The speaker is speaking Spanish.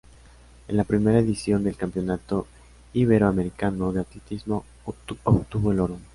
En la primera edición del Campeonato Iberoamericano de Atletismo obtuvo el oro.